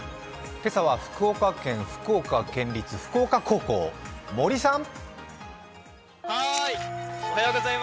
今朝は福岡県福岡県立福岡高校、森さん。